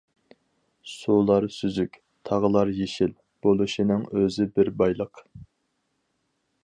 « سۇلار سۈزۈك، تاغلار يېشىل بولۇشنىڭ ئۆزى بىر بايلىق».